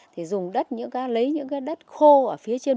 thì dùng đất lấy những cái đất khô ở phía trên